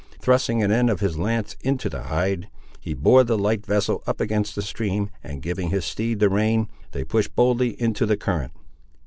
Thrusting an end of his lance into the hide, he bore the light vessel up against the stream, and giving his steed the rein, they pushed boldly into the current.